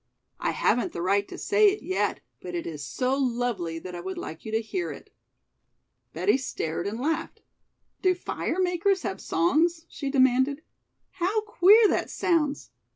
"I haven't the right to say it yet, but it is so lovely that I would like you to hear it." Betty stared and laughed. "Do fire makers have songs?" she demanded. "How queer that sounds!